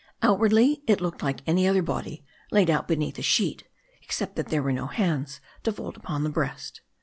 Outwardly it looked like any other body laid out beneath a sheet, except that there were no hands to fold upon the breast.